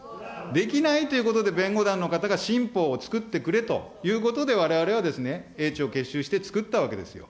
できないということで、弁護団の方が新法を作ってくれということで、われわれは英知を結集してつくったわけですよ。